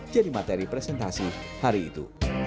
jadi materi presentasi hari itu